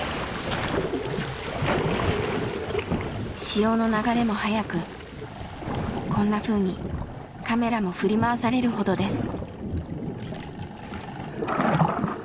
潮の流れも速くこんなふうにカメラも振り回されるほどです。